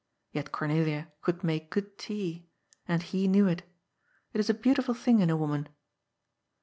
Yet Cornelia could make good tea. And he knew it. It is a beautiful thing in a woman.